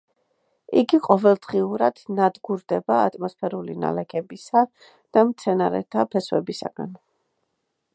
იგი ყოველდღიურად ნადგურდება ატმოსფერული ნალექებისა და მცენარეთა ფესვებისაგან.